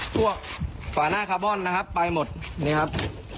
ฝาหน้าคาร์บอนนะครับไปหมดนี่ครับ